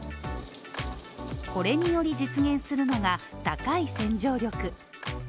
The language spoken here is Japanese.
これにより実現するのが、高い洗浄力。